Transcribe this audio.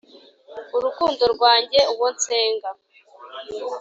urukundo rwanjye, uwo nsenga.